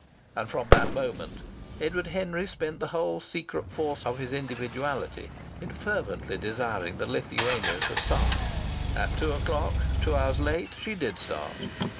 And from that moment Edward Henry spent the whole secret force of his individuality in fervently desiring the Lithuania to start. At two o'clock, two hours late, she did start.